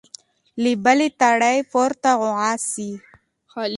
له بلي تړي پورته غوغا سي